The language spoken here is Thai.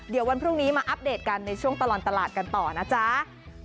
เดี๋ยววันพรุ่งนี้มาอัปเดตกันในช่วงตลอดตลาดกันต่อนะจ๊ะ